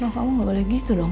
kalau kamu nggak boleh gitu dong